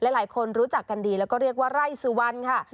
หลายคนรู้จักกันดีแล้วก็เรียกว่าไร่สุวรรณค่ะ